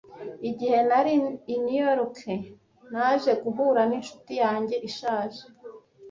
Igihe nari i New York, naje guhura n'inshuti yanjye ishaje.